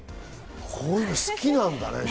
こういうの好きなんだね。